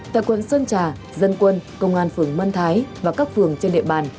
tại quận sơn trà dân quân công an phường mân thái và các phường trên địa bàn